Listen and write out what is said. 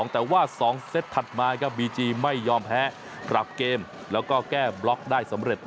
แต่ว่า๒เซตถัดมาครับบีจีไม่ยอมแพ้ปรับเกมแล้วก็แก้บล็อกได้สำเร็จ